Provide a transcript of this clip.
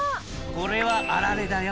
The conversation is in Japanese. これはあられだよ。